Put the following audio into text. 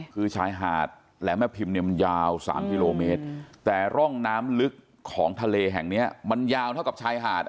คือชายหาดแหลมแม่พิมพ์เนี่ยมันยาว๓กิโลเมตรแต่ร่องน้ำลึกของทะเลแห่งเนี้ยมันยาวเท่ากับชายหาด